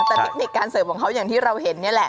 แต่เทคนิคการเสิร์ฟของเขาอย่างที่เราเห็นนี่แหละ